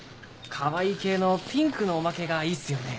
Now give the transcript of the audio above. かわいい系のピンクのおまけがいいっすよね。